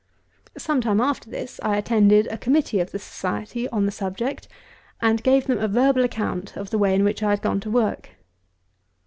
Some time after this I attended a committee of the Society on the subject, and gave them a verbal account of the way in which I had gone to work.